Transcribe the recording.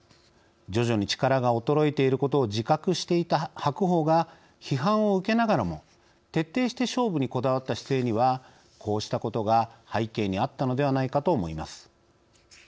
徐々に力が衰えていることを自覚していた白鵬が批判を受けながらも徹底して勝負にこだわった姿勢にはこうしたことが背景にあったのではないかと思います。